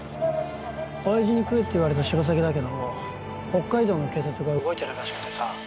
親爺に喰えって言われたシロサギだけど北海道の警察が動いてるらしくてさ